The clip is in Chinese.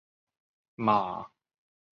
白马薹草为莎草科薹草属下的一个种。